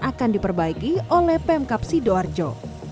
akan diperbaiki oleh pemkap sidoarjo